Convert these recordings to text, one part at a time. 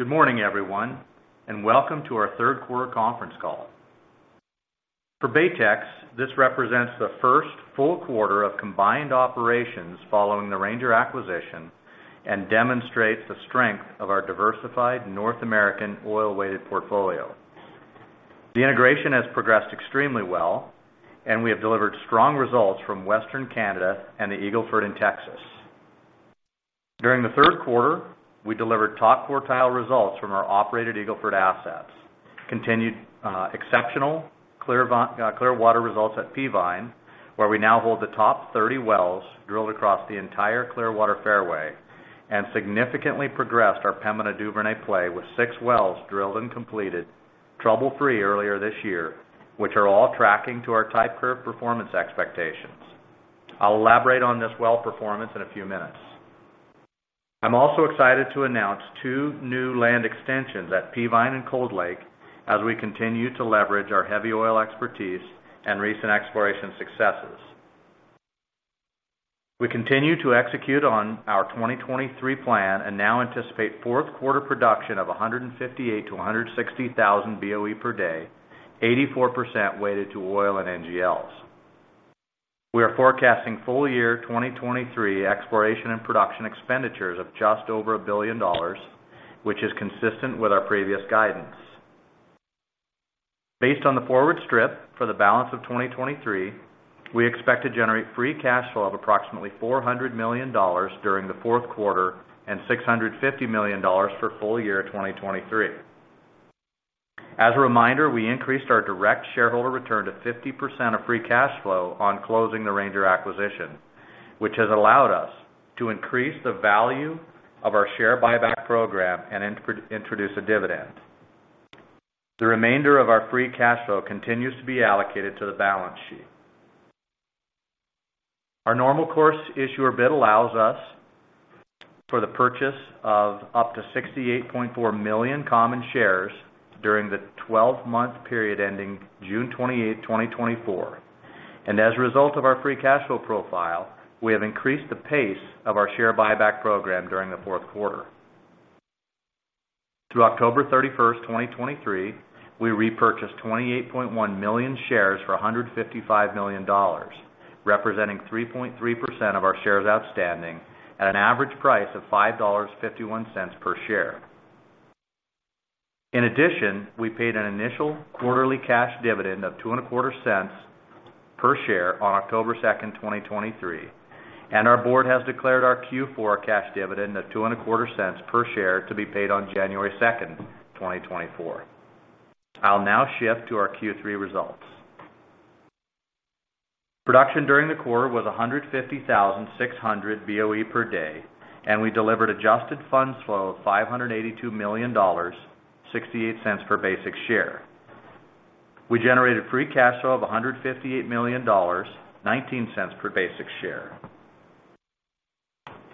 Good morning, everyone, and welcome to our third quarter conference call. For Baytex, this represents the first full quarter of combined operations following the Ranger acquisition and demonstrates the strength of our diversified North American oil-weighted portfolio. The integration has progressed extremely well, and we have delivered strong results from Western Canada and the Eagle Ford in Texas. During the third quarter, we delivered top quartile results from our operated Eagle Ford assets, continued exceptional Clearwater results at Peavine, where we now hold the top 30 wells drilled across the entire Clearwater fairway, and significantly progressed our Pembina Duvernay play, with six wells drilled and completed trouble-free earlier this year, which are all tracking to our type curve performance expectations. I'll elaborate on this well performance in a few minutes. I'm also excited to announce two new land extensions at Peavine and Cold Lake as we continue to leverage our heavy oil expertise and recent exploration successes. We continue to execute on our 2023 plan and now anticipate fourth quarter production of 158,000-160,000 BOE/D, 84% weighted to oil and NGLs. We are forecasting full year 2023 exploration and production expenditures of just over 1 billion dollars, which is consistent with our previous guidance. Based on the forward strip for the balance of 2023, we expect to generate free cash flow of approximately 400 million dollars during the fourth quarter and 650 million dollars for full year 2023. As a reminder, we increased our direct shareholder return to 50% of free cash flow on closing the Ranger acquisition, which has allowed us to increase the value of our share buyback program and introduce a dividend. The remainder of our free cash flow continues to be allocated to the balance sheet. Our normal course issuer bid allows us for the purchase of up to 68.4 million common shares during the 12-month period ending June 28, 2024. And as a result of our free cash flow profile, we have increased the pace of our share buyback program during the fourth quarter. Through October 31st, 2023, we repurchased 28.1 million shares for 155 million dollars, representing 3.3% of our shares outstanding at an average price of 5.51 dollars per share. In addition, we paid an initial quarterly cash dividend of 0.0225 per share on October 2nd, 2023, and our board has declared our Q4 cash dividend of 0.0225 per share to be paid on January 2nd, 2024. I'll now shift to our Q3 results. Production during the quarter was 150,600 BOE/D, and we delivered adjusted funds flow of 582 million dollars, 0.68 per basic share. We generated free cash flow of 158 million dollars, 0.19 per basic share.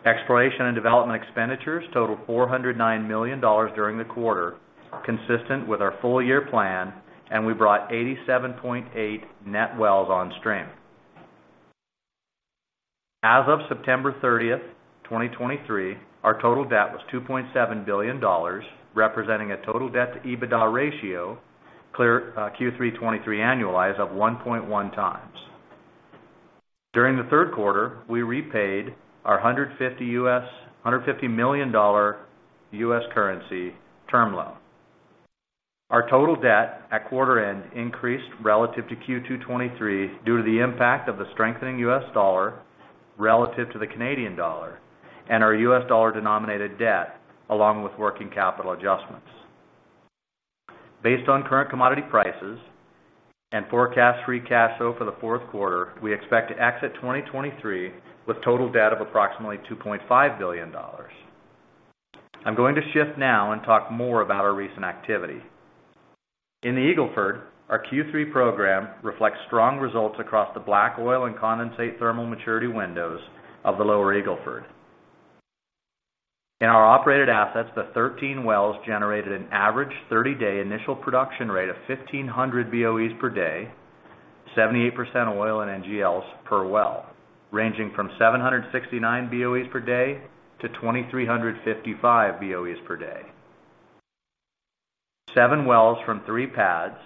Exploration and development expenditures totaled 409 million dollars during the quarter, consistent with our full-year plan, and we brought 87.8 net wells on stream. As of September 30th, 2023, our total debt was 2.7 billion dollars, representing a total debt-to-EBITDA ratio, Q3 2023 annualized, of 1.1x. During the third quarter, we repaid our $150 million U.S. currency term loan. Our total debt at quarter end increased relative to Q2 2023 due to the impact of the strengthening U.S. dollar relative to the Canadian dollar and our U.S. dollar-denominated debt, along with working capital adjustments. Based on current commodity prices and forecast free cash flow for the fourth quarter, we expect to exit 2023 with total debt of approximately 2.5 billion dollars. I'm going to shift now and talk more about our recent activity. In the Eagle Ford, our Q3 program reflects strong results across the black oil and condensate thermal maturity windows of the lower Eagle Ford. In our operated assets, the 13 wells generated an average 30-day initial production rate of 1,500 BOEs/D, 78% oil and NGLs per well, ranging from 769 BOEs/D to 2,355 BOEs/D. 7 wells from three pads,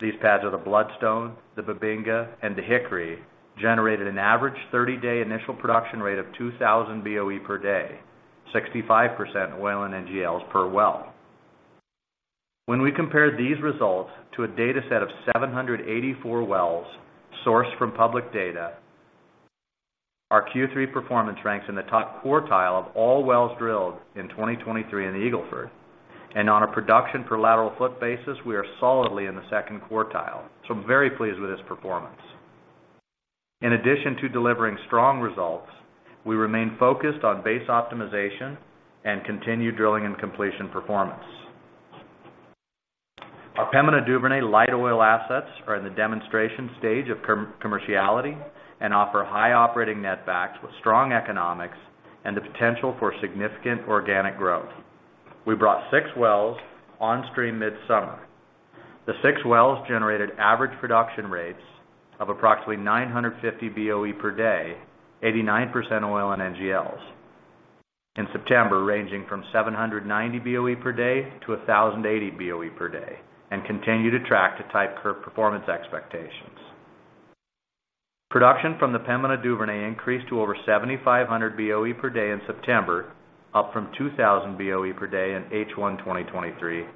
these pads are the Bloodstone, the Bubinga, and the Hickory, generated an average 30-day initial production rate of 2,000 BOE/D, 65% oil and NGLs per well. When we compare these results to a data set of 784 wells sourced from public data, our Q3 performance ranks in the top quartile of all wells drilled in 2023 in the Eagle Ford, and on a production per lateral foot basis, we are solidly in the second quartile. So I'm very pleased with this performance. In addition to delivering strong results, we remain focused on basin optimization and continued drilling and completion performance. Our Pembina Duvernay light oil assets are in the demonstration stage of commerciality and offer high operating net backs with strong economics and the potential for significant organic growth. We brought six wells on stream this summer. The six wells generated average production rates of approximately 950 BOE/D, 89% oil and NGLs. In September, ranging from 790 BOE/D to 1,080 BOE/D, and continue to track to type curve performance expectations. Production from the Pembina Duvernay increased to over 7,500 BOE/D in September, up from 2,000 BOE/D in H1, 2023,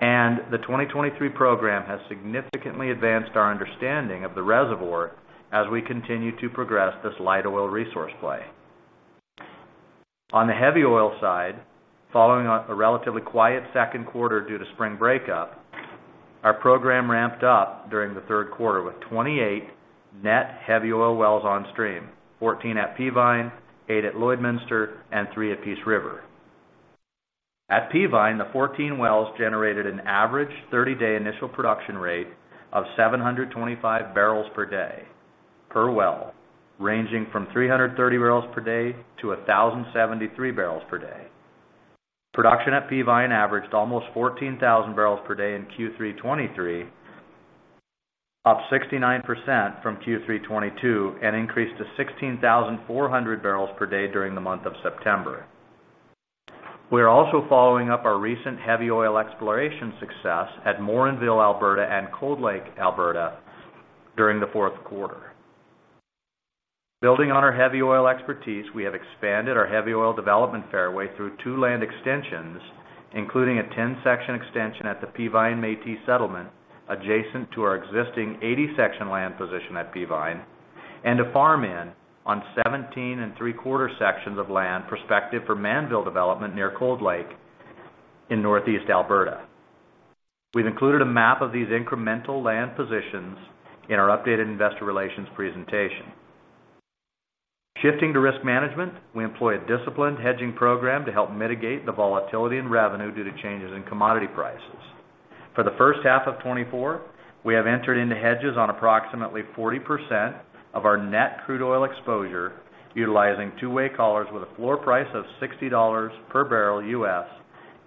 and the 2023 program has significantly advanced our understanding of the reservoir as we continue to progress this light oil resource play. On the heavy oil side, following a relatively quiet second quarter due to spring breakup, our program ramped up during the third quarter with 28 net heavy oil wells on stream, 14 at Peavine, eight at Lloydminster, and three at Peace River. At Peavine, the 14 wells generated an average 30-day initial production rate of 725 barrels per day per well, ranging from 330 barrels per day to 1,073 barrels per day. Production at Peavine averaged almost 14,000 barrels per day in Q3 2023, up 69% from Q3 2022, and increased to 16,400 barrels per day during the month of September. We are also following up our recent heavy oil exploration success at Morinville, Alberta, and Cold Lake, Alberta, during the fourth quarter. Building on our heavy oil expertise, we have expanded our heavy oil development fairway through two land extensions, including a 10-section extension at the Peavine Métis Settlement, adjacent to our existing 80-section land position at Peavine, and a farm in on 17.75 sections of land prospective for Mannville development near Cold Lake in Northeast Alberta. We've included a map of these incremental land positions in our updated investor relations presentation. Shifting to risk management, we employ a disciplined hedging program to help mitigate the volatility in revenue due to changes in commodity prices. For the first half of 2024, we have entered into hedges on approximately 40% of our net crude oil exposure, utilizing two-way collars with a floor price of $60 per barrel,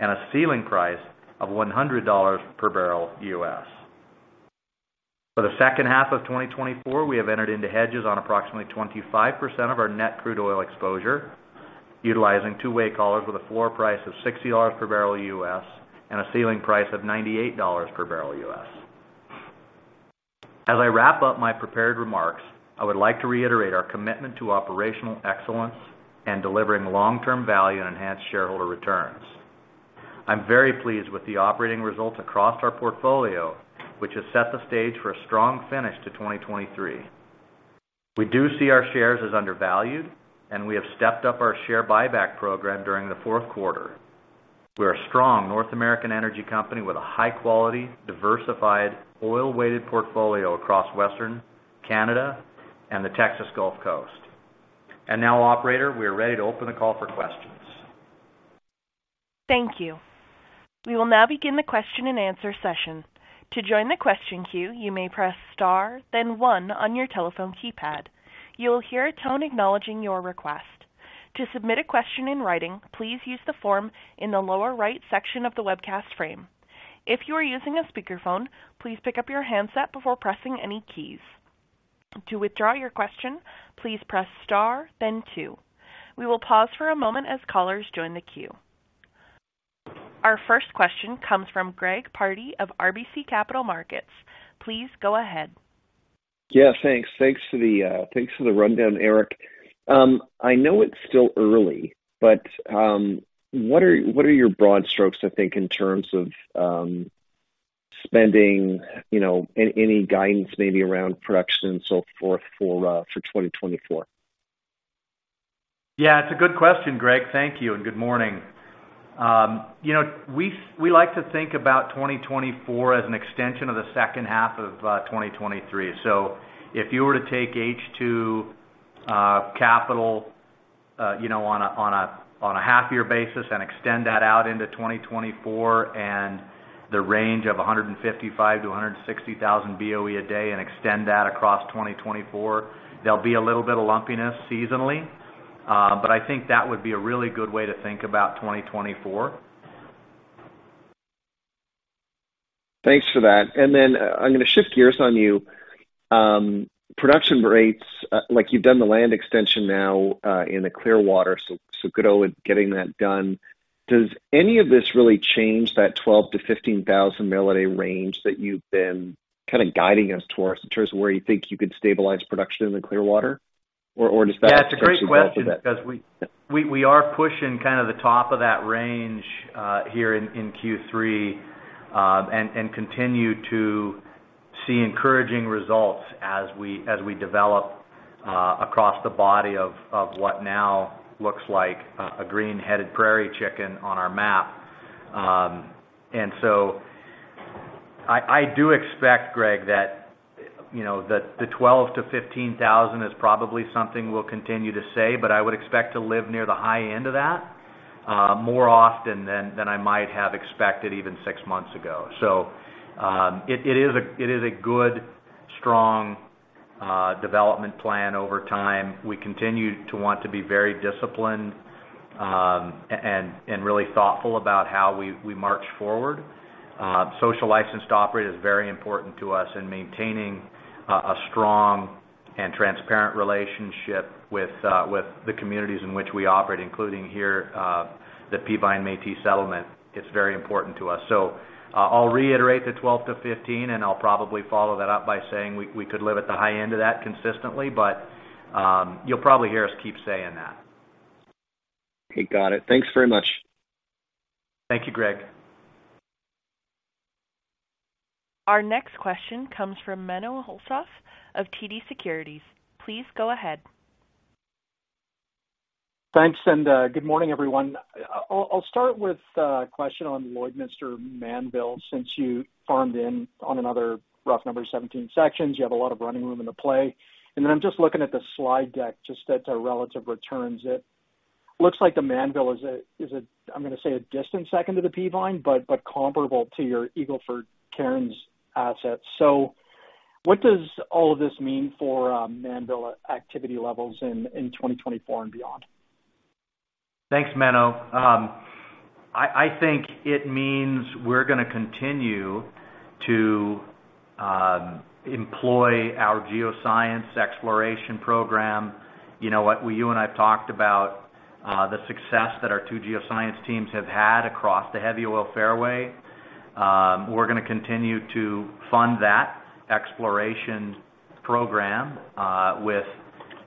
and a ceiling price of $100 per barrel. For the second half of 2024, we have entered into hedges on approximately 25% of our net crude oil exposure, utilizing two-way collars with a floor price of $60 per barrel, and a ceiling price of $98 per barrel. As I wrap up my prepared remarks, I would like to reiterate our commitment to operational excellence and delivering long-term value and enhanced shareholder returns. I'm very pleased with the operating results across our portfolio, which has set the stage for a strong finish to 2023. We do see our shares as undervalued, and we have stepped up our share buyback program during the fourth quarter. We are a strong North American energy company with a high-quality, diversified, oil-weighted portfolio across Western Canada and the Texas Gulf Coast. Now, operator, we are ready to open the call for questions. Thank you. We will now begin the question-and-answer session. To join the question queue, you may press star, then one on your telephone keypad. You will hear a tone acknowledging your request. To submit a question in writing, please use the form in the lower right section of the webcast frame. If you are using a speakerphone, please pick up your handset before pressing any keys. To withdraw your question, please press star, then two. We will pause for a moment as callers join the queue. Our first question comes from Greg Pardy of RBC Capital Markets. Please go ahead. Yeah, thanks. Thanks for the rundown, Eric. I know it's still early, but what are your broad strokes to think in terms of spending, you know, any guidance maybe around production and so forth for 2024? Yeah, it's a good question, Greg. Thank you, and good morning. You know, we like to think about 2024 as an extension of the second half of 2023. So if you were to take H2 capital, you know, on a half-year basis and extend that out into 2024, and the range of 155,000-160,000 BOE a day, and extend that across 2024, there'll be a little bit of lumpiness seasonally. But I think that would be a really good way to think about 2024. Thanks for that. And then, I'm gonna shift gears on you. Production rates, like, you've done the land extension now, in the Clearwater, so, so good on with getting that done. Does any of this really change that 12,000-15,000 bbl/d range that you've been kinda guiding us towards, in terms of where you think you could stabilize production in the Clearwater, or, or does that. Yeah, it's a great question, 'cause we are pushing kind of the top of that range here in Q3 and continue to see encouraging results as we develop across the body of what now looks like a green-headed prairie chicken on our map. And so I do expect, Greg, that you know, the 12,000-15,000 is probably something we'll continue to say, but I would expect to live near the high end of that more often than I might have expected even six months ago. So, it is a good, strong development plan over time. We continue to want to be very disciplined and really thoughtful about how we march forward. Social license to operate is very important to us in maintaining a strong and transparent relationship with the communities in which we operate, including here, the Peavine Métis Settlement. It's very important to us. So, I'll reiterate the 12,000-15,000, and I'll probably follow that up by saying we, we could live at the high end of that consistently, but you'll probably hear us keep saying that. Okay, got it. Thanks very much. Thank you, Greg. Our next question comes from Menno Hulshof of TD Securities. Please go ahead. Thanks, and good morning, everyone. I'll start with a question on Lloydminster Mannville, since you farmed in on another, rough number, 17 sections, you have a lot of running room in the play. And then I'm just looking at the slide deck, just at the relative returns. It looks like the Mannville is a, is a, I'm gonna say, a distant second to the Peavine, but comparable to your Eagle Ford Karnes asset. So what does all of this mean for Mannville activity levels in 2024 and beyond? Thanks, Menno. I think it means we're gonna continue to employ our geoscience exploration program. You know what? You and I have talked about the success that our two geoscience teams have had across the Heavy Oil Fairway. We're gonna continue to fund that exploration program with,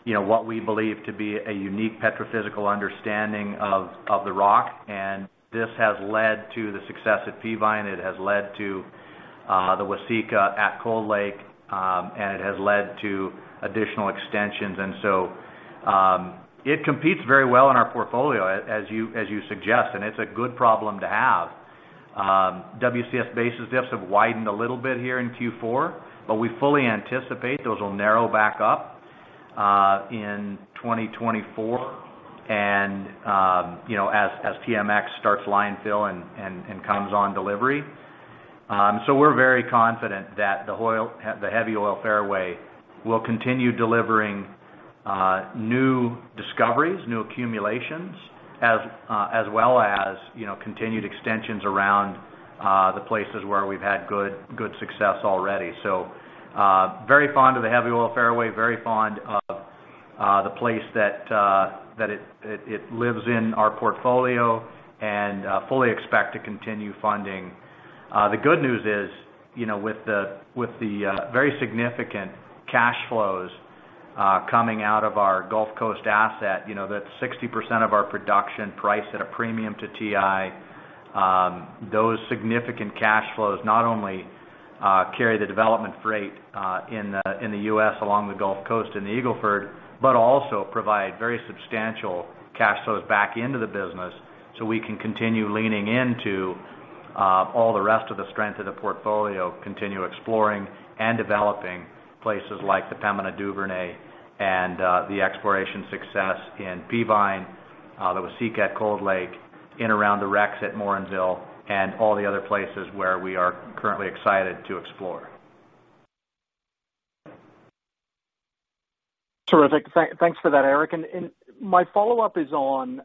you know, what we believe to be a unique petrophysical understanding of the rock, and this has led to the success at Peavine. It has led to the Waseca at Cold Lake, and it has led to additional extensions. And so, it competes very well in our portfolio, as you suggest, and it's a good problem to have. WCS basis diffs have widened a little bit here in Q4, but we fully anticipate those will narrow back up in 2024, and you know, as TMX starts line fill and comes on delivery. So we're very confident that the Heavy Oil Fairway will continue delivering new discoveries, new accumulations, as well as you know, continued extensions around the places where we've had good success already. So very fond of the Heavy Oil Fairway, very fond of the place that it lives in our portfolio and fully expect to continue funding. The good news is, you know, with the very significant cash flows coming out of our Gulf Coast asset, you know, that's 60% of our production priced at a premium to WTI. Those significant cash flows not only carry the development freight in the U.S. along the Gulf Coast and the Eagle Ford, but also provide very substantial cash flows back into the business, so we can continue leaning into all the rest of the strength of the portfolio, continue exploring and developing places like the Pembina Duvernay, and the exploration success in Peavine, the Waseca at Cold Lake, in and around the Rex at Morinville, and all the other places where we are currently excited to explore. Terrific. Thanks for that, Eric. My follow-up is on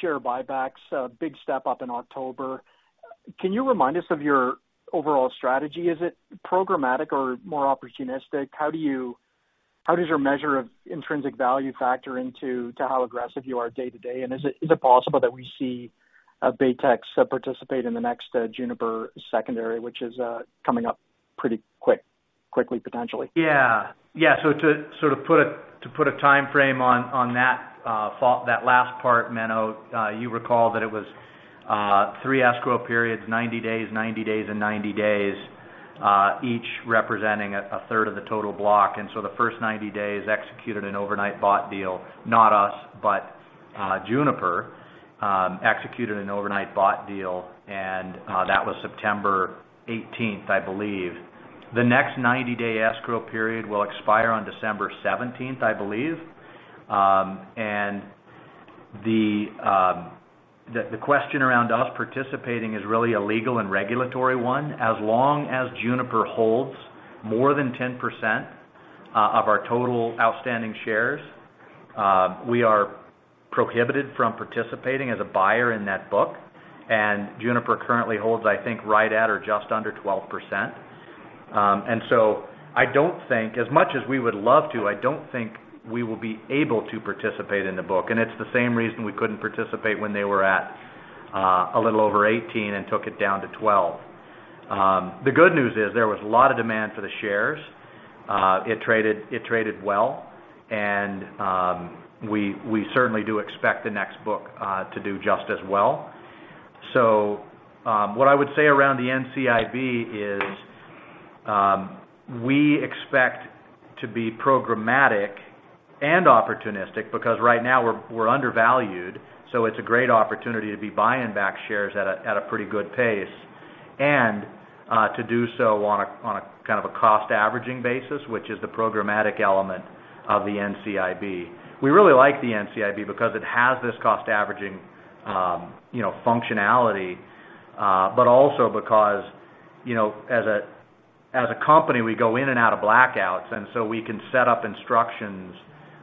share buybacks, a big step up in October. Can you remind us of your overall strategy? Is it programmatic or more opportunistic? How does your measure of intrinsic value factor into how aggressive you are day to day? And is it possible that we see Baytex participate in the next Juniper secondary, which is coming up pretty quickly, potentially? Yeah. Yeah, so to sort of put a timeframe on that last part, Menno, you recall that it was three escrow periods, 90 days, 90 days and 90 days, each representing 1/3 of the total block. And so the first 90 days executed an overnight bought deal, not us, but Juniper executed an overnight bought deal, and that was September 18th, I believe. The next 90-day escrow period will expire on December 17th, I believe. And the question around us participating is really a legal and regulatory one. As long as Juniper holds more than 10% of our total outstanding shares, we are prohibited from participating as a buyer in that block, and Juniper currently holds, I think, right at or just under 12%. So I don't think, as much as we would love to, I don't think we will be able to participate in the book, and it's the same reason we couldn't participate when they were at a little over $18 and took it down to $12. The good news is, there was a lot of demand for the shares. It traded, it traded well, and we certainly do expect the next book to do just as well. So what I would say around the NCIB is, we expect to be programmatic and opportunistic, because right now we're undervalued, so it's a great opportunity to be buying back shares at a pretty good pace. And to do so on a kind of a cost averaging basis, which is the programmatic element of the NCIB. We really like the NCIB because it has this cost averaging, you know, functionality. But also because, you know, as a company, we go in and out of blackouts, and so we can set up instructions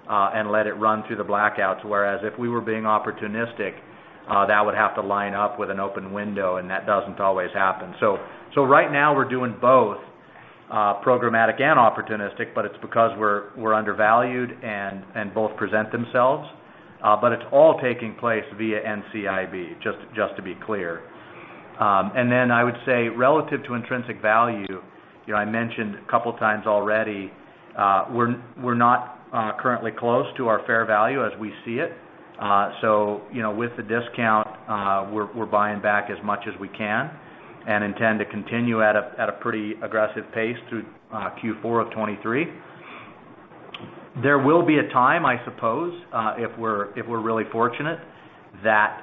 and let it run through the blackouts. Whereas if we were being opportunistic, that would have to line up with an open window, and that doesn't always happen. So right now we're doing both, programmatic and opportunistic, but it's because we're undervalued and both present themselves. But it's all taking place via NCIB, just to be clear. And then I would say, relative to intrinsic value, you know, I mentioned a couple of times already, we're not currently close to our fair value as we see it. So, you know, with the discount, we're buying back as much as we can and intend to continue at a pretty aggressive pace through Q4 of 2023. There will be a time, I suppose, if we're really fortunate, that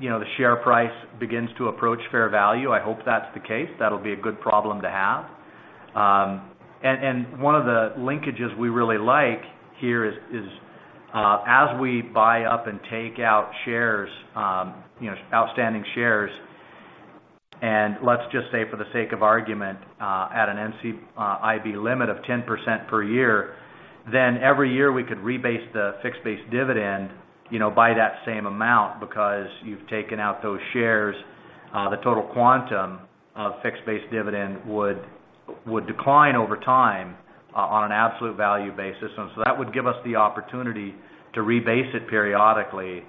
you know, the share price begins to approach fair value. I hope that's the case. That'll be a good problem to have. And one of the linkages we really like here is as we buy up and take out shares, you know, outstanding shares, and let's just say, for the sake of argument, at an NCIB limit of 10% per year, then every year, we could rebase the fixed base dividend, you know, by that same amount, because you've taken out those shares, the total quantum of fixed base dividend would decline over time, on an absolute value basis. And so that would give us the opportunity to rebase it periodically.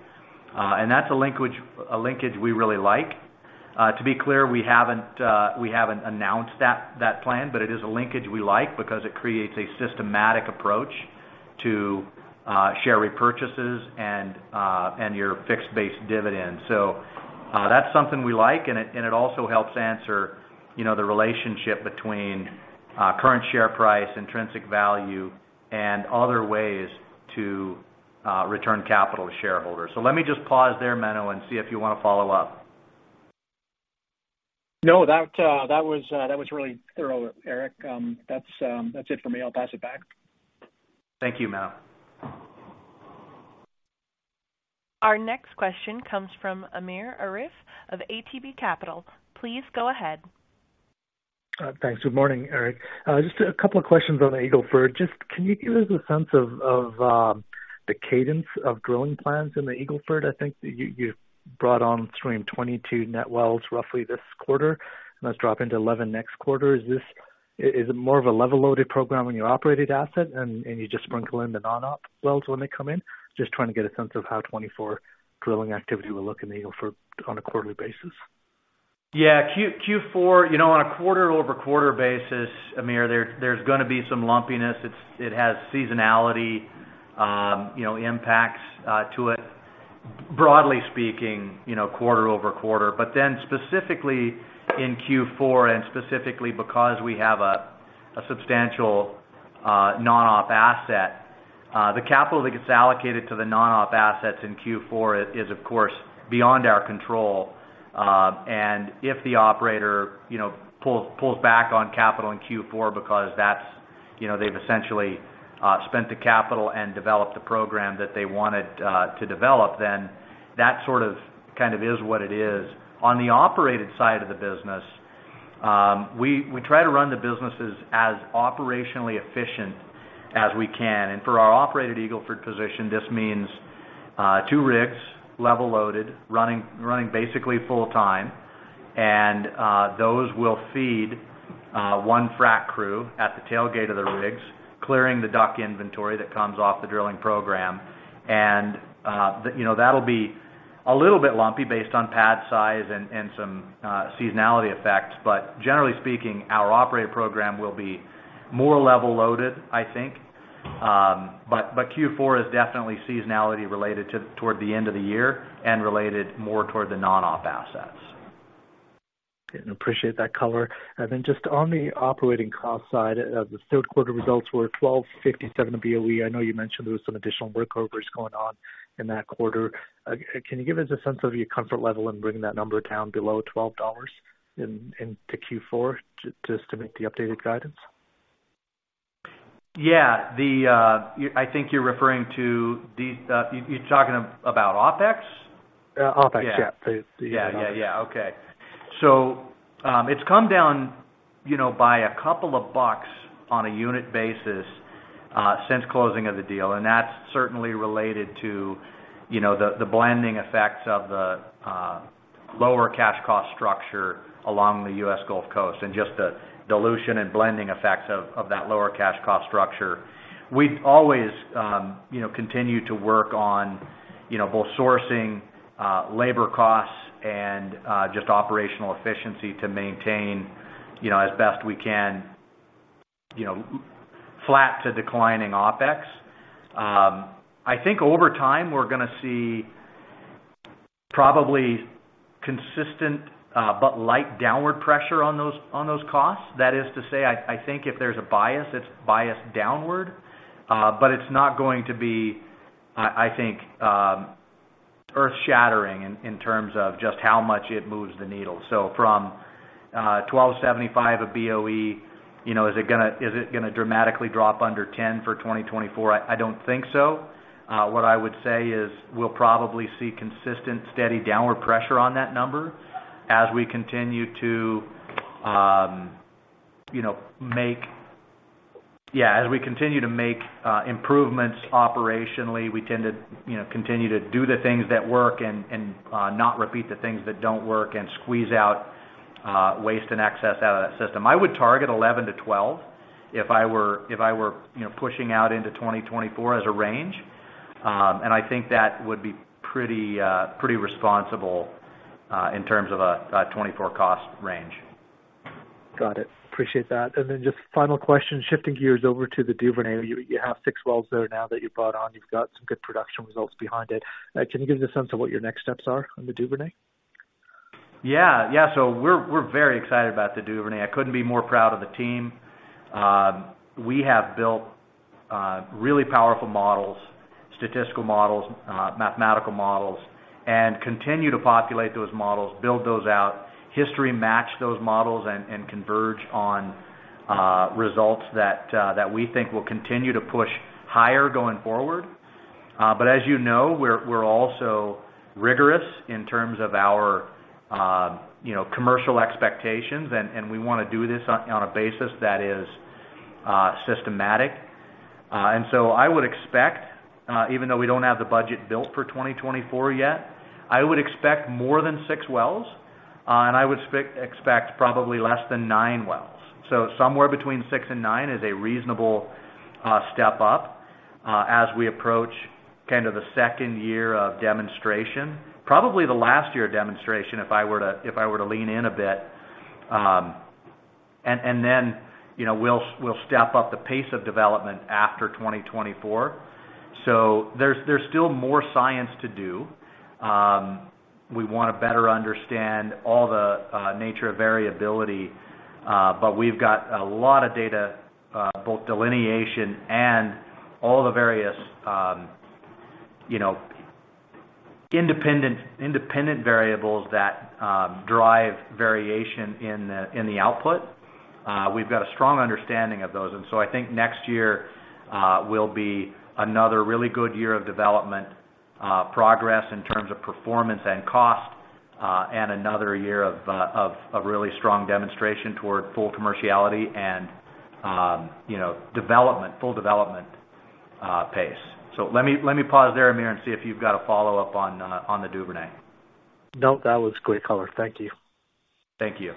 And that's a linkage we really like. To be clear, we haven't announced that plan, but it is a linkage we like because it creates a systematic approach to share repurchases and your fixed base dividend. So, that's something we like, and it, and it also helps answer, you know, the relationship between, current share price, intrinsic value, and other ways to, return capital to shareholders. So let me just pause there, Menno, and see if you want to follow up. No, that was really thorough, Eric. That's it for me. I'll pass it back. Thank you, Menno. Our next question comes from Amir Arif of ATB Capital. Please go ahead. Thanks. Good morning, Eric. Just a couple of questions on the Eagle Ford. Just, can you give us a sense of the cadence of drilling plans in the Eagle Ford? I think you brought on between 22 net wells, roughly this quarter, and let's drop into 11 next quarter. Is this, is it more of a level-loaded program when you operated asset and you just sprinkle in the non-op wells when they come in? Just trying to get a sense of how 2024 drilling activity will look in the Eagle Ford on a quarterly basis. Yeah, Q4, you know, on a quarter-over-quarter basis, Amir, there's gonna be some lumpiness. It has seasonality, you know, impacts to it, broadly speaking, you know, quarter-over-quarter. But then specifically in Q4, and specifically because we have a substantial non-op asset, the capital that gets allocated to the non-op assets in Q4 is, of course, beyond our control. And if the operator, you know, pulls back on capital in Q4 because that's, you know, they've essentially spent the capital and developed the program that they wanted to develop, then that sort of kind of is what it is. On the operated side of the business, we try to run the businesses as operationally efficient as we can. And for our operated Eagle Ford position, this means, two rigs, level loaded, running basically full time. And, those will feed, one frac crew at the tailgate of the rigs, clearing the DUC inventory that comes off the drilling program. And, you know, that'll be a little bit lumpy based on pad size and, and some, seasonality effects, but generally speaking, our operated program will be more level loaded, I think. But, Q4 is definitely seasonality related toward the end of the year and related more toward the non-op assets. Okay. Appreciate that color. And then just on the operating cost side, the third quarter results were $12.57/BOE. I know you mentioned there was some additional workovers going on in that quarter. Can you give us a sense of your comfort level in bringing that number down below $12 into Q4, just to make the updated guidance? Yeah, I think you're talking about OpEx? OpEx, yeah. Yeah. Yeah, yeah, yeah. Okay. So, it's come down, you know, by a couple of bucks on a unit basis, since closing of the deal, and that's certainly related to, you know, the, the blending effects of the, lower cash cost structure along the U.S. Gulf Coast, and just the dilution and blending effects of, of that lower cash cost structure. We've always, you know, continued to work on, you know, both sourcing, labor costs and, just operational efficiency to maintain, you know, as best we can, you know, flat to declining OpEx. I think over time, we're gonna see probably consistent, but light downward pressure on those, on those costs. That is to say, I think if there's a bias, it's biased downward, but it's not going to be, I think, earth shattering in terms of just how much it moves the needle. So from $12.75/BOE, you know, is it gonna dramatically drop under $10 for 2024? I don't think so. What I would say is we'll probably see consistent, steady downward pressure on that number as we continue to, you know, make improvements operationally, we tend to, you know, continue to do the things that work and not repeat the things that don't work, and squeeze out waste and excess out of that system. I would target $11-$12 if I were, you know, pushing out into 2024 as a range. And I think that would be pretty responsible in terms of a 2024 cost range. Got it. Appreciate that. And then just final question, shifting gears over to the Duvernay. You, you have six wells there now that you bought on. You've got some good production results behind it. Can you give us a sense of what your next steps are on the Duvernay? Yeah. Yeah, so we're very excited about the Duvernay. I couldn't be more proud of the team. We have built really powerful models, statistical models, mathematical models, and continue to populate those models, build those out, history match those models, and converge on results that we think will continue to push higher going forward. But as you know, we're also rigorous in terms of our, you know, commercial expectations, and we wanna do this on a basis that is systematic. And so I would expect, even though we don't have the budget built for 2024 yet, I would expect more than 6 wells, and I would expect probably less than nine wells. So somewhere between six and nine is a reasonable step up as we approach kind of the second year of demonstration, probably the last year of demonstration, if I were to lean in a bit. And then, you know, we'll step up the pace of development after 2024. So there's still more science to do. We wanna better understand all the nature of variability, but we've got a lot of data, both delineation and all the various, you know, independent variables that drive variation in the output. We've got a strong understanding of those, and so I think next year will be another really good year of development progress in terms of performance and cost, and another year of a really strong demonstration toward full commerciality and, you know, development, full development pace. So let me, let me pause there, Amir, and see if you've got a follow-up on, on the Duvernay. No, that was great color. Thank you. Thank you.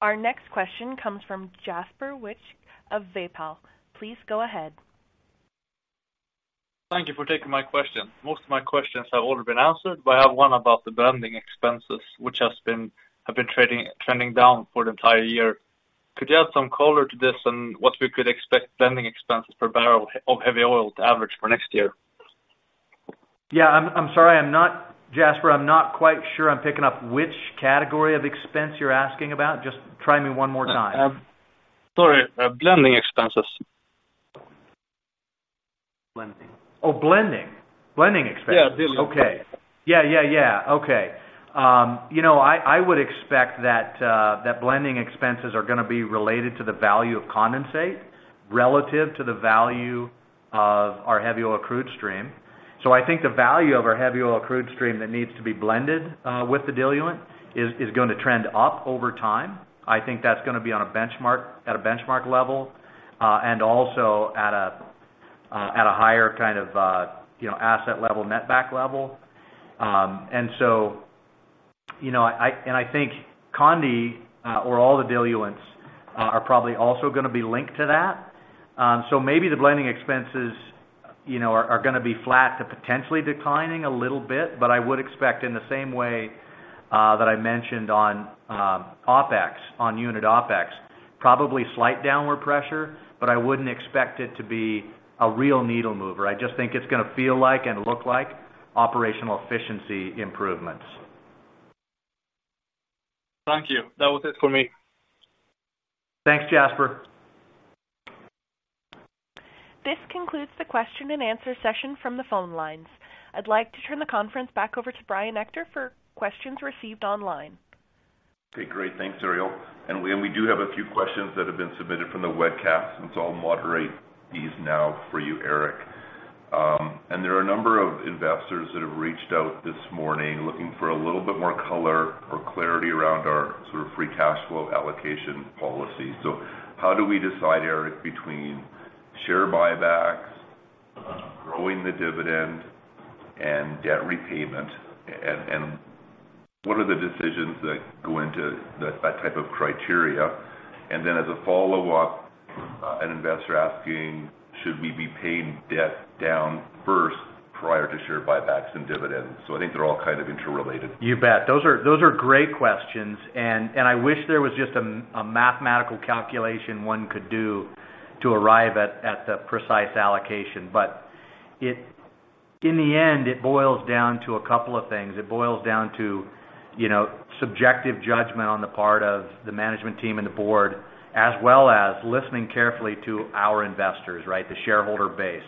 Our next question comes from Jasper Wijk of Valpal. Please go ahead. Thank you for taking my question. Most of my questions have already been answered, but I have one about the blending expenses, which have been trending down for the entire year. Could you add some color to this and what we could expect blending expenses per barrel of heavy oil to average for next year? Yeah, I'm sorry, Jasper. I'm not quite sure I'm picking up which category of expense you're asking about. Just try me one more time. Sorry, blending expenses. Blending. Oh, blending. Blending expenses? Yeah, diluent. Okay. Yeah, yeah, yeah. Okay. You know, I, I would expect that blending expenses are gonna be related to the value of condensate relative to the value of our heavy oil crude stream. So I think the value of our heavy oil crude stream that needs to be blended with the diluent is gonna trend up over time. I think that's gonna be on a benchmark at a benchmark level, and also at a higher kind of, you know, asset level, net back level. And so, you know, and I think condensate or all the diluents are probably also gonna be linked to that. So maybe the blending expenses, you know, are, are gonna be flat to potentially declining a little bit, but I would expect in the same way that I mentioned on OpEx, on unit OpEx, probably slight downward pressure, but I wouldn't expect it to be a real needle mover. I just think it's gonna feel like and look like operational efficiency improvements. Thank you. That was it for me. Thanks, Jasper. This concludes the question and answer session from the phone lines. I'd like to turn the conference back over to Brian Ector for questions received online. Okay, great. Thanks, Ariel. And we do have a few questions that have been submitted from the webcast, and so I'll moderate these now for you, Eric. And there are a number of investors that have reached out this morning looking for a little bit more color or clarity around our sort of free cash flow allocation policy. So how do we decide, Eric, between share buybacks, growing the dividend, and debt repayment? And what are the decisions that go into that type of criteria? And then, as a follow-up, an investor asking, "Should we be paying debt down first prior to share buybacks and dividends?" So I think they're all kind of interrelated. You bet. Those are, those are great questions, and, and I wish there was just a mathematical calculation one could do to arrive at, at the precise allocation. But it, in the end, it boils down to a couple of things. It boils down to, you know, subjective judgment on the part of the management team and the board, as well as listening carefully to our investors, right? The shareholder base,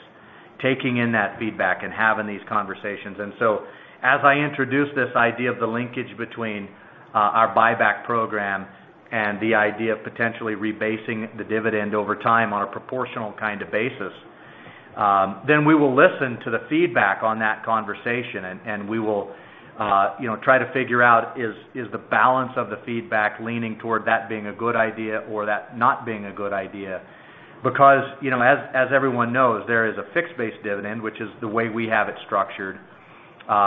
taking in that feedback and having these conversations. So as I introduce this idea of the linkage between our buyback program and the idea of potentially rebasing the dividend over time on a proportional kind of basis, then we will listen to the feedback on that conversation, and, and we will, you know, try to figure out, is, is the balance of the feedback leaning toward that being a good idea or that not being a good idea? Because, you know, as, as everyone knows, there is a fixed base dividend, which is the way we have it structured,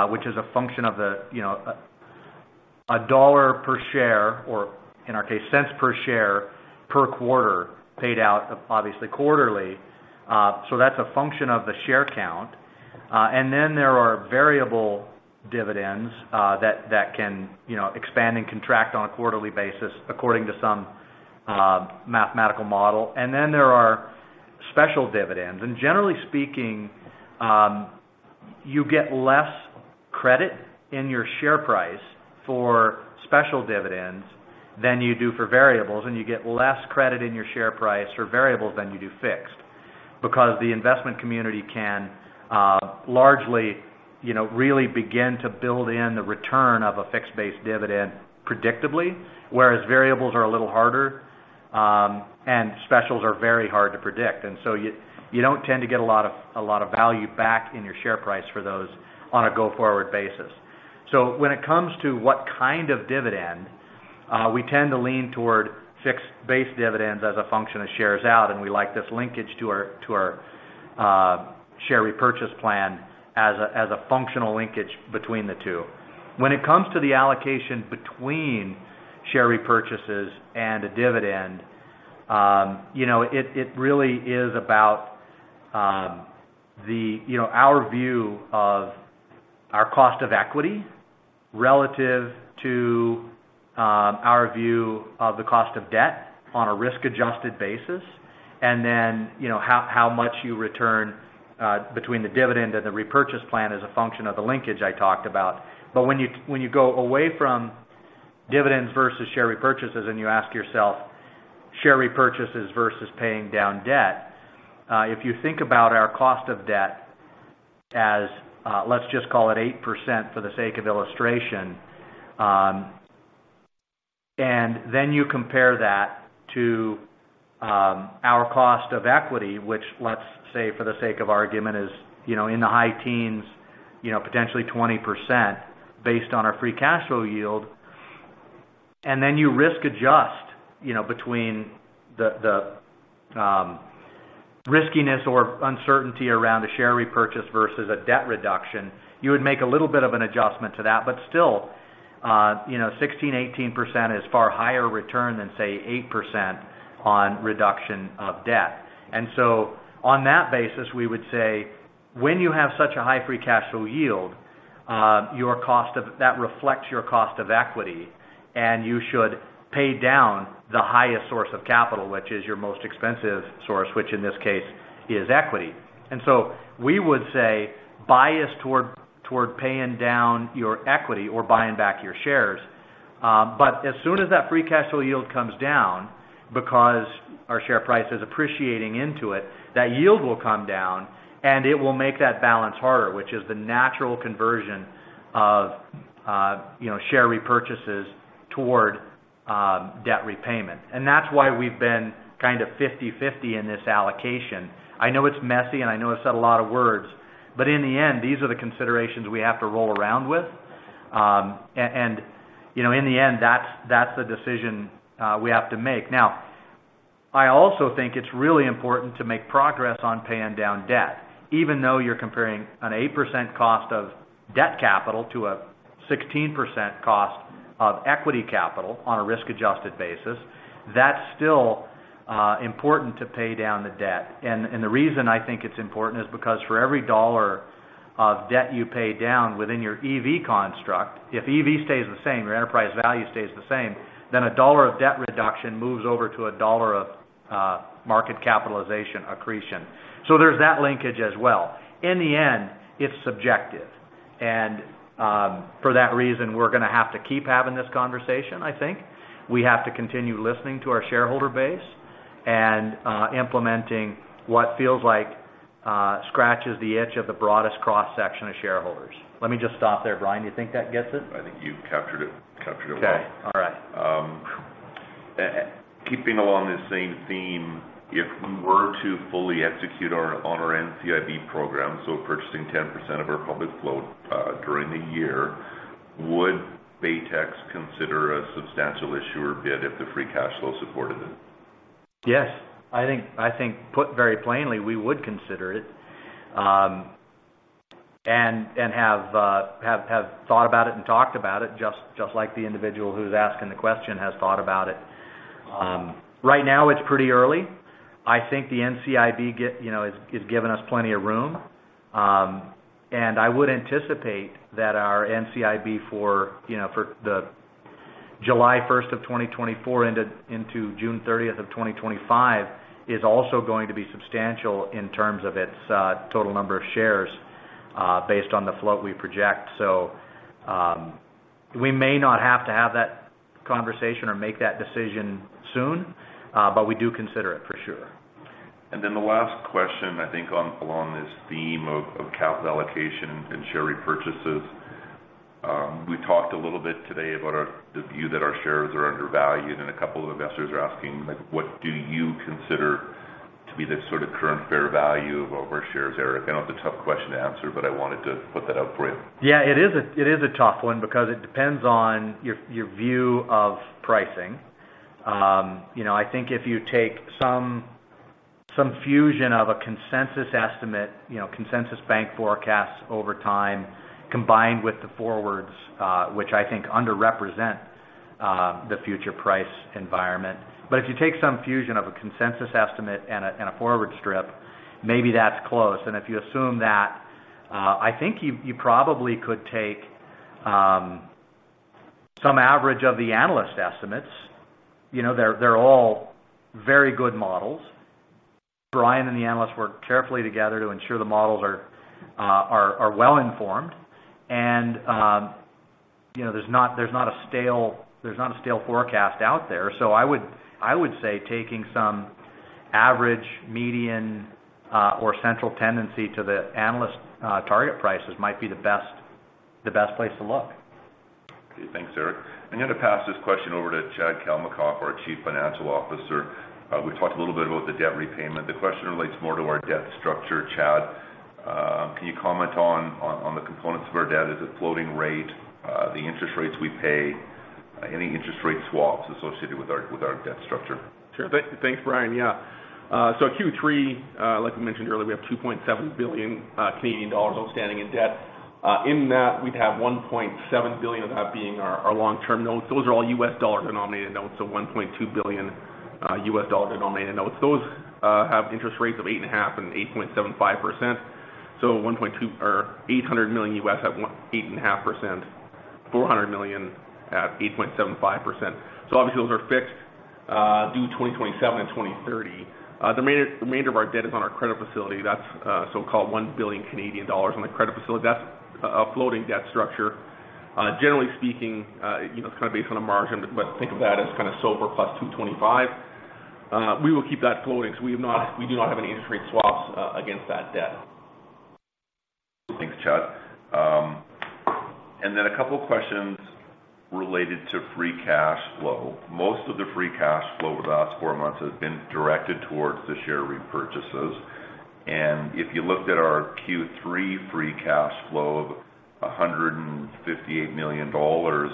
which is a function of the, you know, CAD 1 per share, or in our case, cents per share per quarter, paid out, obviously, quarterly. So that's a function of the share count. And then there are variable dividends that can, you know, expand and contract on a quarterly basis according to some mathematical model. Then there are special dividends. Generally speaking, you get less credit in your share price for special dividends than you do for variables, and you get less credit in your share price for variables than you do fixed. Because the investment community can largely, you know, really begin to build in the return of a fixed base dividend predictably, whereas variables are a little harder, and specials are very hard to predict. So you don't tend to get a lot of, a lot of value back in your share price for those on a go-forward basis. So when it comes to what kind of dividend, we tend to lean toward fixed base dividends as a function of shares out, and we like this linkage to our, to our, share repurchase plan as a, as a functional linkage between the two. When it comes to the allocation between share repurchases and a dividend, you know, it, it really is about, you know, our view of our cost of equity relative to our view of the cost of debt on a risk-adjusted basis. And then, you know, how, how much you return between the dividend and the repurchase plan as a function of the linkage I talked about. But when you go away from dividends versus share repurchases, and you ask yourself, share repurchases versus paying down debt, if you think about our cost of debt as, let's just call it 8% for the sake of illustration, and then you compare that to, our cost of equity, which, let's say, for the sake of argument, is, you know, in the high teens, you know, potentially 20%, based on our free cash flow yield. And then you risk adjust, you know, between the riskiness or uncertainty around a share repurchase versus a debt reduction, you would make a little bit of an adjustment to that. But still, you know, 16%-18% is far higher return than, say, 8% on reduction of debt. And so on that basis, we would say, when you have such a high free cash flow yield, your cost of, that reflects your cost of equity, and you should pay down the highest source of capital, which is your most expensive source, which in this case is equity. And so we would say, bias toward, toward paying down your equity or buying back your shares. But as soon as that free cash flow yield comes down, because our share price is appreciating into it, that yield will come down, and it will make that balance harder, which is the natural conversion of, you know, share repurchases toward, debt repayment. And that's why we've been kind of 50/50 in this allocation. I know it's messy, and I know I said a lot of words, but in the end, these are the considerations we have to roll around with. You know, in the end, that's the decision we have to make. Now, I also think it's really important to make progress on paying down debt, even though you're comparing an 8% cost of debt capital to a 16% cost of equity capital on a risk-adjusted basis. That's still important to pay down the debt. And the reason I think it's important is because for every dollar of debt you pay down within your EV construct, if EV stays the same, your enterprise value stays the same, then a dollar of debt reduction moves over to a dollar of market capitalization accretion. So there's that linkage as well. In the end, it's subjective, and for that reason, we're gonna have to keep having this conversation, I think. We have to continue listening to our shareholder base and implementing what feels like scratches the itch of the broadest cross-section of shareholders. Let me just stop there, Brian. Do you think that gets it? I think you captured it well. Okay. All right. Keeping along the same theme, if we were to fully execute our NCIB program, so purchasing 10% of our public float during the year, would Baytex consider a substantial issuer bid if the free cash flow supported it? Yes. I think, put very plainly, we would consider it, and have thought about it and talked about it, just like the individual who's asking the question has thought about it. Right now, it's pretty early. I think the NCIB, you know, has given us plenty of room. And I would anticipate that our NCIB for, you know, for the July 1st of 2024 into June 30th of 2025, is also going to be substantial in terms of its total number of shares, based on the float we project. So, we may not have to have that conversation or make that decision soon, but we do consider it for sure. And then the last question, I think, on along this theme of capital allocation and share repurchases. We talked a little bit today about our view that our shares are undervalued, and a couple of investors are asking, like, what do you consider to be the sort of current fair value of our shares, Eric? I know it's a tough question to answer, but I wanted to put that out for you. Yeah, it is a tough one because it depends on your view of pricing. You know, I think if you take some fusion of a consensus estimate, you know, consensus bank forecasts over time, combined with the forwards, which I think underrepresent the future price environment. But if you take some fusion of a consensus estimate and a forward strip, maybe that's close. And if you assume that, I think you probably could take some average of the analyst estimates. You know, they're all very good models. Brian and the analysts work carefully together to ensure the models are well informed. You know, there's not a stale forecast out there. I would say taking some average, median, or central tendency to the analyst target prices might be the best place to look. Okay. Thanks, Eric. I'm going to pass this question over to Chad Kalmakoff, our Chief Financial Officer. We talked a little bit about the debt repayment. The question relates more to our debt structure. Chad, can you comment on the components of our debt? Is it floating rate, the interest rates we pay, any interest rate swaps associated with our debt structure? Sure. Thanks, Brian. Yeah. So Q3, like we mentioned earlier, we have 2.7 billion Canadian dollars outstanding in debt. In that, we'd have 1.7 billion of that being our long-term notes. Those are all U.S. dollar-denominated notes, so $1.2 billion U.S. dollar-denominated notes. Those have interest rates of 8.5% and 8.75%. So $1.2 billion or $800 million at 8.5%, $400 million at 8.75%. So obviously, those are fixed, due 2027 and 2030. The remainder of our debt is on our credit facility. That's so-called 1 billion Canadian dollars on the credit facility. That's a floating debt structure. Generally speaking, you know, it's kind of based on a margin, but think of that as kind of SOFR plus 0.0225. We will keep that floating, so we have not, we do not have any interest rate swaps against that debt. Thanks, Chad. Then a couple of questions related to free cash flow. Most of the free cash flow over the last four months has been directed towards the share repurchases. If you looked at our Q3 free cash flow of 158 million dollars,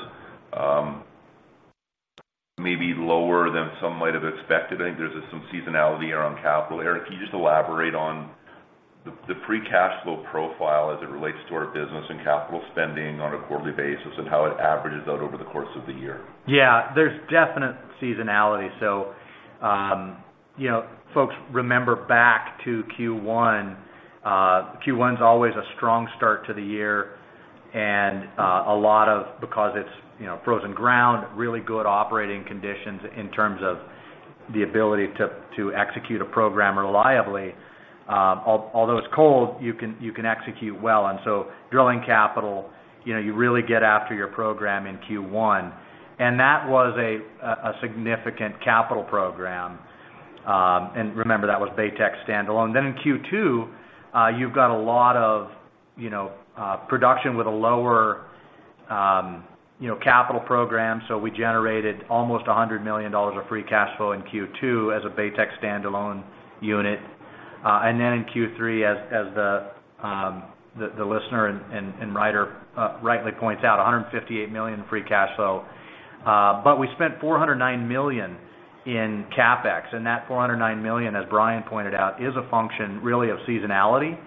maybe lower than some might have expected. I think there's some seasonality around capital. Eric, can you just elaborate on the free cash flow profile as it relates to our business and capital spending on a quarterly basis, and how it averages out over the course of the year? Yeah, there's definite seasonality. So, you know, folks, remember back to Q1. Q1's always a strong start to the year and, a lot of because it's, you know, frozen ground, really good operating conditions in terms of the ability to, to execute a program reliably. Although it's cold, you can, you can execute well. And so drilling capital, you know, you really get after your program in Q1, and that was a, a significant capital program. And remember, that was Baytex standalone. Then in Q2, you've got a lot of, you know, production with a lower, you know, capital program. So we generated almost 100 million dollars of free cash flow in Q2 as a Baytex standalone unit. In Q3, as the listener and writer rightly points out, 158 million free cash flow. But we spent 409 million in CapEx, and that 409 million, as Brian pointed out, is a function really of seasonality.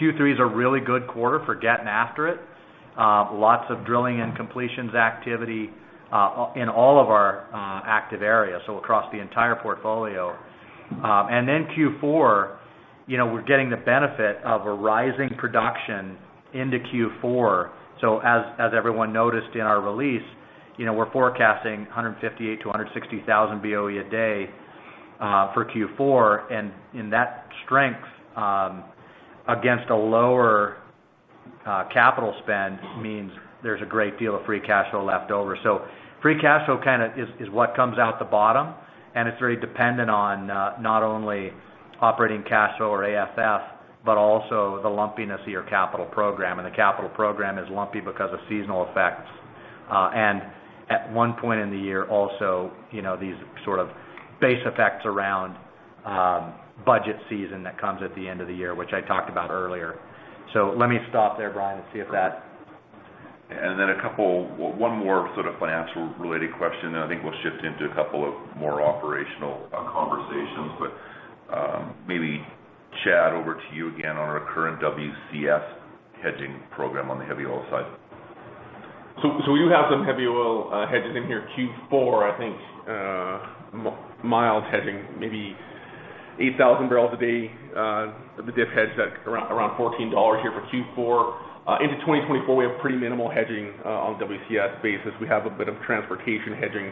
Q3 is a really good quarter for getting after it. Lots of drilling and completions activity in all of our active areas, so across the entire portfolio. In Q4, you know, we're getting the benefit of a rising production into Q4. So as everyone noticed in our release, you know, we're forecasting 158,000-160,000 BOE a day for Q4. And in that strength against a lower capital spend means there's a great deal of free cash flow left over. So free cash flow kind of is, is what comes out the bottom, and it's very dependent on, not only operating cash flow or AFF, but also the lumpiness of your capital program, and the capital program is lumpy because of seasonal effects. At one point in the year also, you know, these sort of base effects around, budget season that comes at the end of the year, which I talked about earlier. So let me stop there, Brian, and see if that. And then a couple, one more sort of financial related question, and I think we'll shift into a couple of more operational conversations. But maybe, Chad, over to you again on our current WCS hedging program on the heavy oil side. So, so we do have some heavy oil hedges in here. Q4, I think, oil hedging, maybe 8,000 barrels a day of the diff hedge that's around, around $14 here for Q4. Into 2024, we have pretty minimal hedging on WCS basis. We have a bit of transportation hedging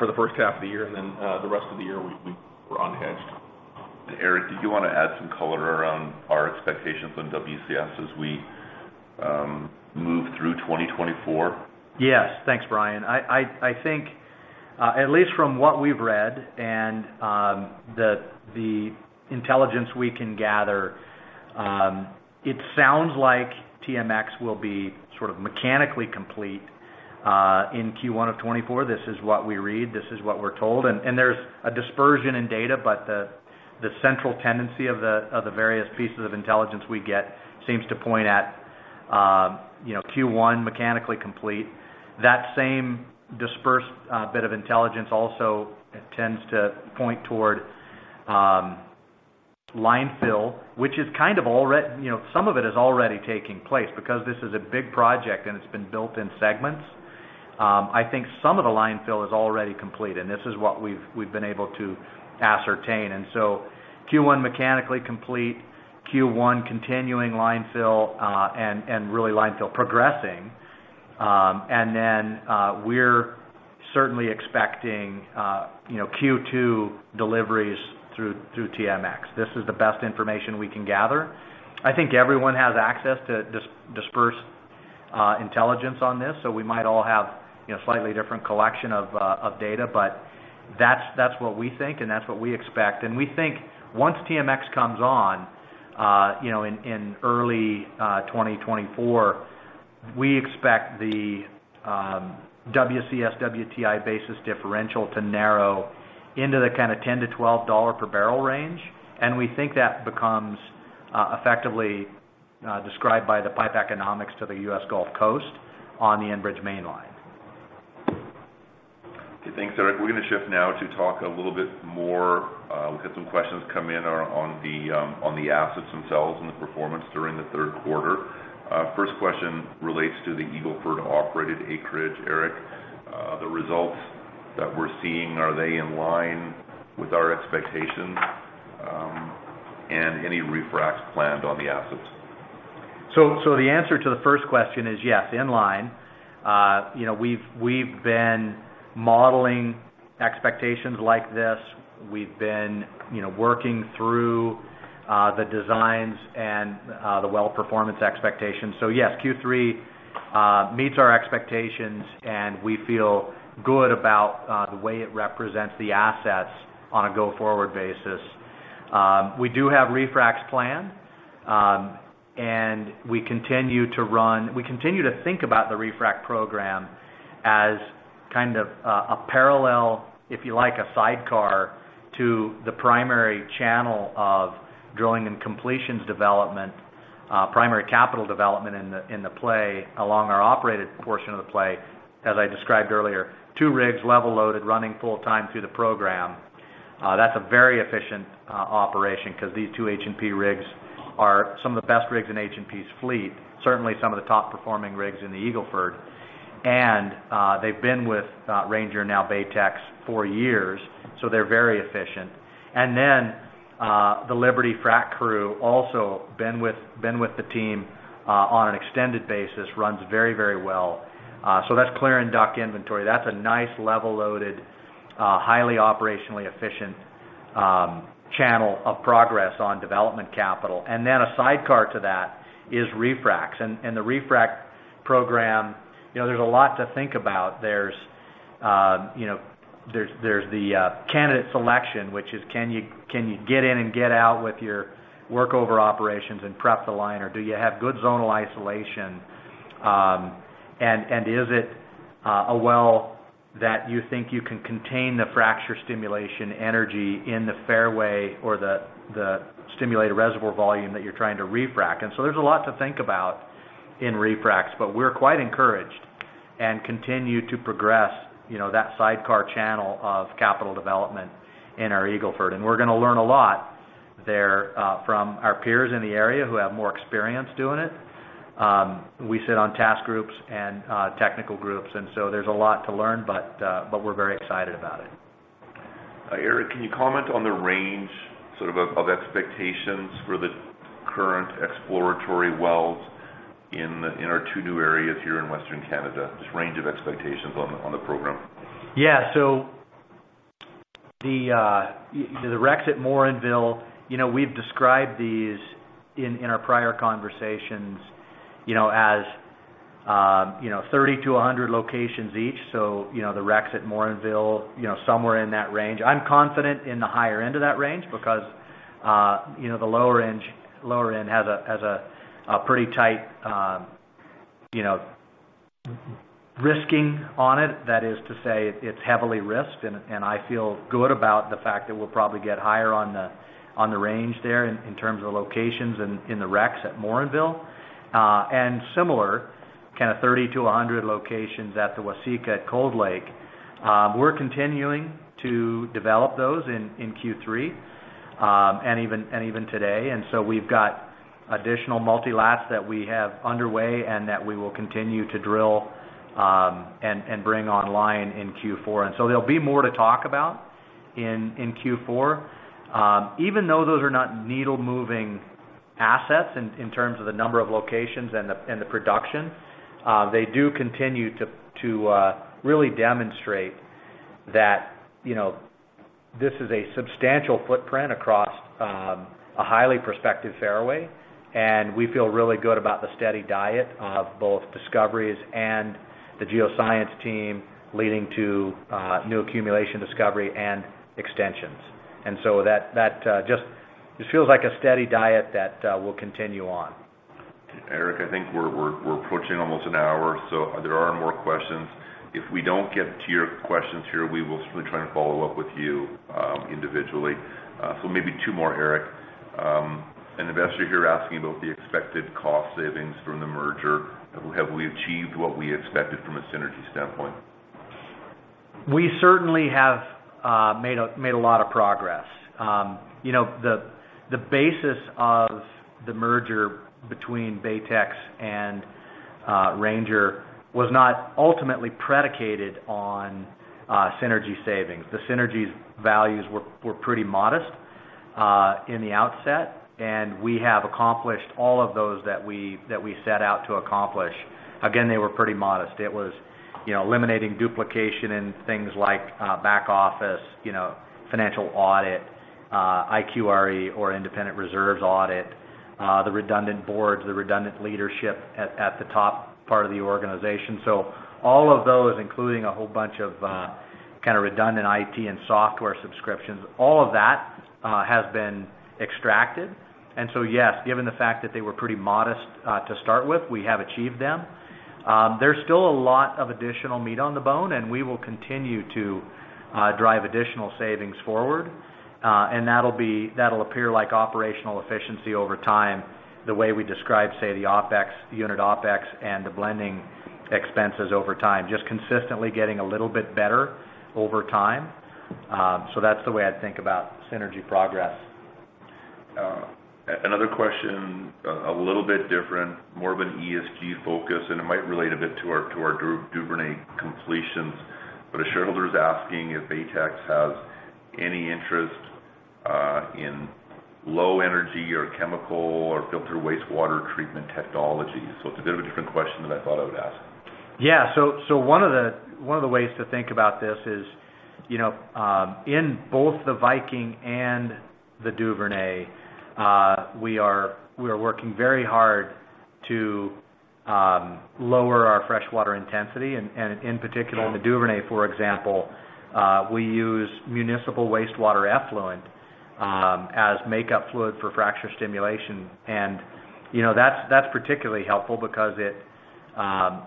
for the first half of the year, and then, the rest of the year, we're unhedged. Eric, did you want to add some color around our expectations on WCS as we move through 2024? Yes. Thanks, Brian. I think at least from what we've read, and the intelligence we can gather, it sounds like TMX will be sort of mechanically complete in Q1 of 2024. This is what we read, this is what we're told, and there's a dispersion in data, but the central tendency of the various pieces of intelligence we get seems to point at Q1 mechanically complete. That same dispersed bit of intelligence also tends to point toward line fill, which is kind of already. You know, some of it is already taking place, because this is a big project, and it's been built in segments. I think some of the line fill is already complete, and this is what we've been able to ascertain. Q1 mechanically complete, Q1 continuing line fill, and really line fill progressing. And then we're certainly expecting, you know, Q2 deliveries through TMX. This is the best information we can gather. I think everyone has access to disparate intelligence on this, so we might all have, you know, slightly different collection of data. But that's what we think, and that's what we expect. And we think once TMX comes on, you know, in early 2024, we expect the WCS-WTI basis differential to narrow into the kind of $10-$12 per barrel range, and we think that becomes effectively described by the pipe economics to the U.S. Gulf Coast on the Enbridge mainline. Okay, thanks, Eric. We're gonna shift now to talk a little bit more. We've had some questions come in on the assets themselves and the performance during the third quarter. First question relates to the Eagle Ford operated acreage. Eric, the results that we're seeing, are they in line with our expectations? And any refracs planned on the assets? So, so the answer to the first question is, yes, in line. You know, we've, we've been modeling expectations like this. We've been, you know, working through the designs and the well performance expectations. So yes, Q3 meets our expectations, and we feel good about the way it represents the assets on a go-forward basis. We do have refracs planned, and we continue to think about the refrac program as kind of a parallel, if you like, a sidecar to the primary channel of drilling and completions development, primary capital development in the, in the play, along our operated portion of the play. As I described earlier, two rigs, level loaded, running full time through the program. That's a very efficient operation, 'cause these two H&P rigs are some of the best rigs in H&P's fleet, certainly some of the top-performing rigs in the Eagle Ford. And they've been with Ranger, now Baytex, for years, so they're very efficient. And then the Liberty frac crew, also been with the team on an extended basis, runs very, very well. So that's clear in DUC inventory. That's a nice, level-loaded, highly operationally efficient channel of progress on development capital. And then a sidecar to that is refracs. And the refrac program, you know, there's a lot to think about. There's you know, there's the candidate selection, which is, can you get in and get out with your workover operations and prep the line? Or do you have good zonal isolation? And is it a well that you think you can contain the fracture stimulation energy in the fairway or the stimulated reservoir volume that you're trying to refrac? And so there's a lot to think about in refracs, but we're quite encouraged and continue to progress, you know, that sidecar channel of capital development in our Eagle Ford. And we're gonna learn a lot there from our peers in the area who have more experience doing it. We sit on task groups and technical groups, and so there's a lot to learn, but we're very excited about it. Eric, can you comment on the range, sort of, of expectations for the current exploratory wells in our two new areas here in Western Canada? Just range of expectations on the program. Yeah. So the Rex at Morinville, you know, we've described these in our prior conversations, you know, as 30-100 locations each. So, you know, the Rex at Morinville, you know, somewhere in that range. I'm confident in the higher end of that range because the lower end, lower end has a pretty tight risking on it. That is to say, it's heavily risked, and I feel good about the fact that we'll probably get higher on the range there in terms of the locations in the Rex at Morinville. And similar, kind of, 30-100 locations at the Waseca at Cold Lake. We're continuing to develop those in Q3. And even today. And so we've got additional multi-lats that we have underway, and that we will continue to drill and bring online in Q4. And so there'll be more to talk about in Q4. Even though those are not needle-moving assets in terms of the number of locations and the production, they do continue to really demonstrate that, you know, this is a substantial footprint across a highly prospective fairway. And we feel really good about the steady diet of both discoveries and the geoscience team leading to new accumulation discovery and extensions. And so that just. It feels like a steady diet that will continue on. Eric, I think we're approaching almost an hour, so there are more questions. If we don't get to your questions here, we will certainly try and follow up with you, individually. So maybe two more, Eric. An investor here asking about the expected cost savings from the merger. Have we achieved what we expected from a synergy standpoint? We certainly have made a lot of progress. You know, the basis of the merger between Baytex and Ranger was not ultimately predicated on synergy savings. The synergies values were pretty modest in the outset, and we have accomplished all of those that we set out to accomplish. Again, they were pretty modest. It was, you know, eliminating duplication in things like back office, you know, financial audit, IQRE, or independent reserves audit, the redundant boards, the redundant leadership at the top part of the organization. So all of those, including a whole bunch of kind of redundant IT and software subscriptions, all of that has been extracted. And so, yes, given the fact that they were pretty modest to start with, we have achieved them. There's still a lot of additional meat on the bone, and we will continue to drive additional savings forward. And that'll appear like operational efficiency over time, the way we describe, say, the OpEx, the unit OpEx, and the blending expenses over time. Just consistently getting a little bit better over time. So that's the way I'd think about synergy progress. Another question, a little bit different, more of an ESG focus, and it might relate a bit to our Duvernay completions. But a shareholder is asking if Baytex has any interest in low energy or chemical or filter wastewater treatment technologies? So it's a bit of a different question that I thought I would ask. Yeah. So one of the ways to think about this is, you know, in both the Viking and the Duvernay, we are working very hard to lower our freshwater intensity. And in particular, in the Duvernay, for example, we use municipal wastewater effluent as makeup fluid for fracture stimulation. And, you know, that's particularly helpful because it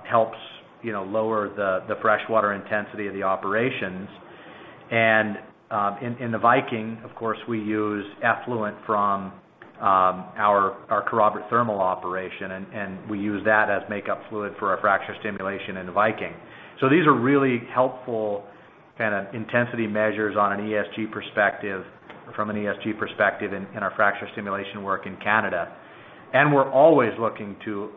helps, you know, lower the freshwater intensity of the operations. And in the Viking, of course, we use effluent from our Kerrobert thermal operation, and we use that as makeup fluid for our fracture stimulation in the Viking. So these are really helpful kind of intensity measures on an ESG perspective, from an ESG perspective in our fracture stimulation work in Canada. We're always looking to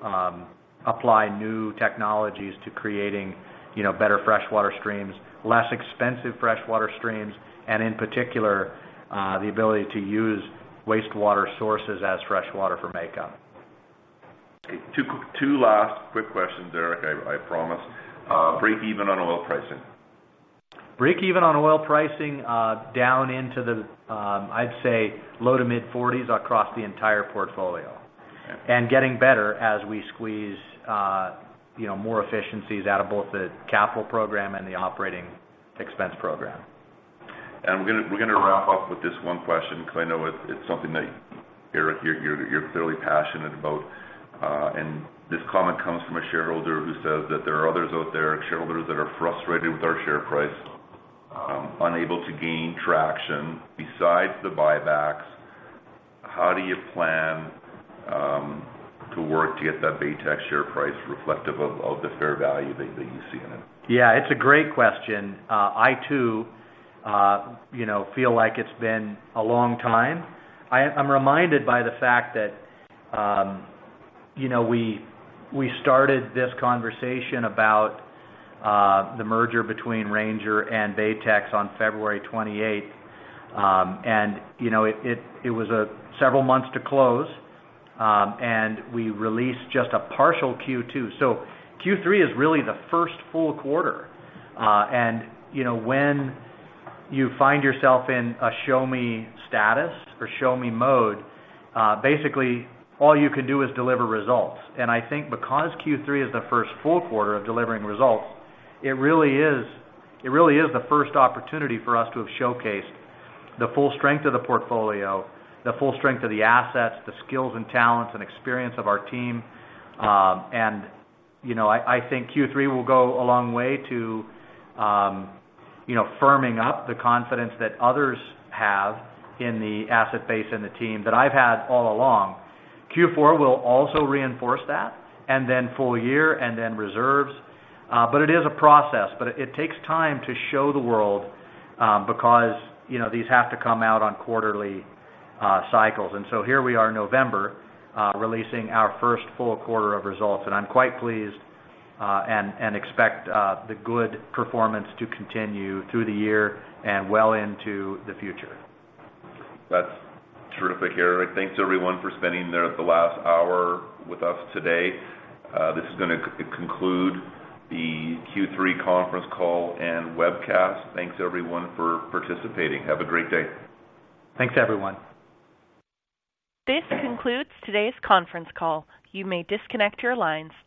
apply new technologies to creating, you know, better freshwater streams, less expensive freshwater streams, and in particular, the ability to use wastewater sources as freshwater for makeup. Okay, two, two last quick questions, Eric, I, I promise. Breakeven on oil pricing. Breakeven on oil pricing, down into the, I'd say, low-to-mid $40s across the entire portfolio. Okay. Getting better as we squeeze, you know, more efficiencies out of both the capital program and the operating expense program. And we're gonna wrap up with this one question, because I know it's something that Eric, you're clearly passionate about. And this comment comes from a shareholder who says that there are others out there, shareholders that are frustrated with our share price, unable to gain traction. Besides the buybacks, how do you plan to work to get that Baytex share price reflective of the fair value that you see in it? Yeah, it's a great question. I, too, you know, feel like it's been a long time. I, I'm reminded by the fact that, you know, we started this conversation about the merger between Ranger and Baytex on February 28. And, you know, it was a several months to close, and we released just a partial Q2. So Q3 is really the first full quarter. And, you know, when you find yourself in a show-me status or show-me mode, basically, all you can do is deliver results. And I think because Q3 is the first full quarter of delivering results, it really is, it really is the first opportunity for us to have showcased the full strength of the portfolio, the full strength of the assets, the skills and talents and experience of our team. And, you know, I think Q3 will go a long way to, you know, firming up the confidence that others have in the asset base and the team that I've had all along. Q4 will also reinforce that, and then full year, and then reserves, but it is a process. But it takes time to show the world, because, you know, these have to come out on quarterly cycles. And so here we are in November, releasing our first full quarter of results, and I'm quite pleased, and expect the good performance to continue through the year and well into the future. That's terrific, Eric. Thanks, everyone, for spending the last hour with us today. This is gonna conclude the Q3 conference call and webcast. Thanks, everyone, for participating. Have a great day. Thanks, everyone. This concludes today's conference call. You may disconnect your lines.